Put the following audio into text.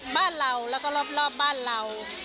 บ้านเราแล้วก็รอบบ้านเรา